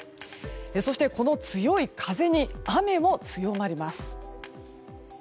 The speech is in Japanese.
そして、この強い風に雨も強まります。